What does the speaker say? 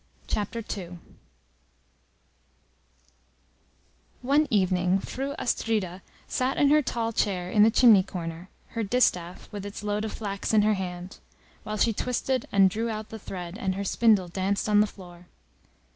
CHAPTER II One evening Fru Astrida sat in her tall chair in the chimney corner, her distaff, with its load of flax in her hand, while she twisted and drew out the thread, and her spindle danced on the floor.